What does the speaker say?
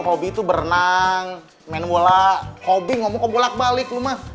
hobi itu berenang main bola hobi ngomong kebulak balik